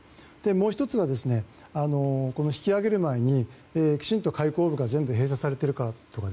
もう１つは引き揚げる前に、きちんと海航路が閉鎖されているかとか